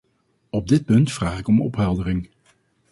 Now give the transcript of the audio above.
Op dit punt vraag ik om opheldering.